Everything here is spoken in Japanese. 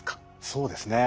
そうですね